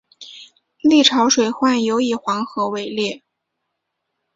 历朝水患尤以黄河为烈。